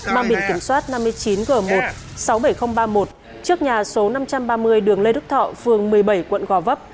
mang biển kiểm soát năm mươi chín g một sáu mươi bảy nghìn ba mươi một trước nhà số năm trăm ba mươi đường lê đức thọ phường một mươi bảy quận gò vấp